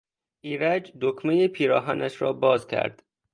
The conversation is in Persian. ایرج دکمهی پیراهنش را باز کرد.